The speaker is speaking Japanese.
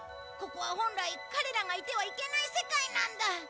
ここは本来彼らがいてはいけない世界なんだ。